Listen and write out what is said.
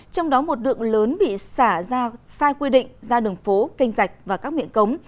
trong đó một đựng lớn bị xả ra sai quy định ra đường phố kênh rạch và các miệng cống